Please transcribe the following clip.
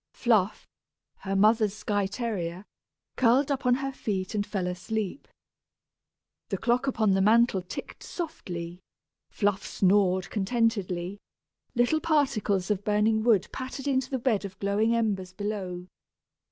Fluff, her mother's Skye terrier, curled up on her feet and fell asleep. The clock upon the mantel ticked softly, Fluff snored contentedly, little particles of burning wood pattered into the bed of glowing embers below.